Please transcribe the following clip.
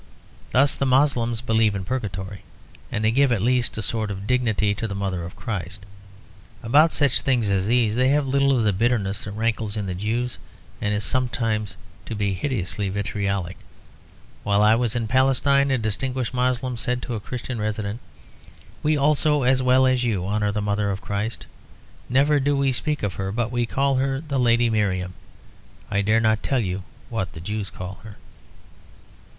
Thus the Moslems believe in Purgatory, and they give at least a sort of dignity to the Mother of Christ. About such things as these they have little of the bitterness that rankles in the Jews and is said sometimes to become hideously vitriolic. While I was in Palestine a distinguished Moslem said to a Christian resident: "We also, as well as you, honour the Mother of Christ. Never do we speak of her but we call her the Lady Miriam. I dare not tell you what the Jews call her."